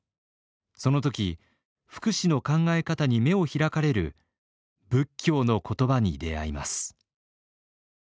その時福祉の考え方に目を開かれる仏教の言葉に出会います。